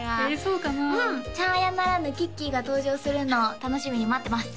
うんちゃんあやならぬきっきーが登場するの楽しみに待ってます